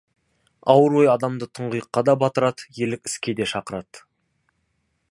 Ауыр ой адамды тұңғиыққа да батырады, ерлік іске де шақырады.